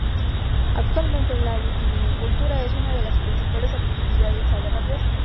Actualmente, la vitivinicultura es una de las principales actividades agrarias de Formentera.